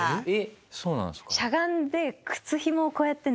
そうなんですか？